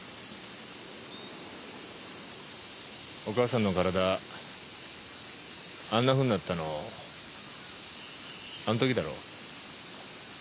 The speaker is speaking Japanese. お母さんの体あんなふうになったのあの時だろ？